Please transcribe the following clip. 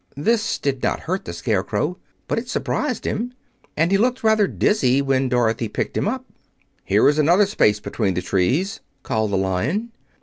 This did not hurt the Scarecrow, but it surprised him, and he looked rather dizzy when Dorothy picked him up. "Here is another space between the trees," called the Lion.